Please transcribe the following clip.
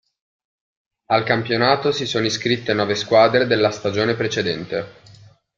Al campionato si sono iscritte nove squadre della stagione precedente.